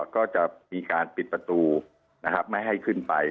ก็จะมีการปิดประตูนะครับไม่ให้ขึ้นไป